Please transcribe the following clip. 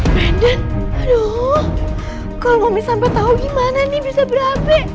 kalau mami sampe tau gimana nih bisa berhabe